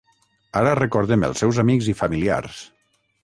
Ara recordem els seus amics i familiars.